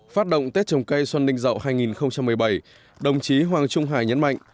phát động tết trồng cây xuân ninh dậu hai nghìn một mươi bảy đồng chí hoàng trung hải nhấn mạnh